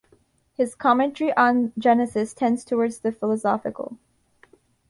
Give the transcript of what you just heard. His commentary on Genesis tends toward the philosophical.